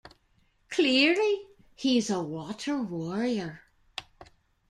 Clearly, he is a water warrior.